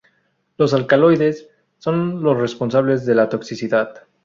Los alcaloides son los responsables de la toxicidad.